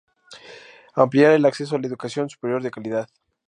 Ampliar el acceso a la educación superior de calidad.